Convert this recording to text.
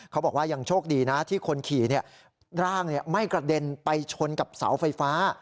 เขาบอกว่ายังโชคดีนะที่คนขี่ร่างไม่กระเด็นไปชนกับเสาไฟฟ้า